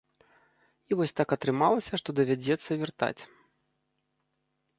І вось так атрымалася, што давядзецца вяртаць.